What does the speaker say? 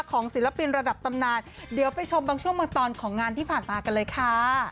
ศิลปินระดับตำนานเดี๋ยวไปชมบางช่วงบางตอนของงานที่ผ่านมากันเลยค่ะ